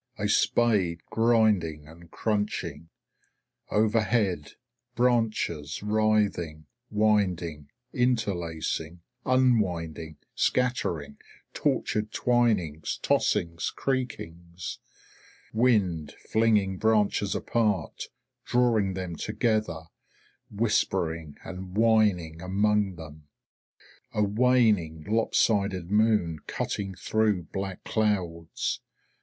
A spade grinding and crunching. Overhead, branches writhing, winding, interlacing, unwinding, scattering; tortured twinings, tossings, creakings. Wind flinging branches apart, drawing them together, whispering and whining among them. A waning, lopsided moon cutting through black clouds.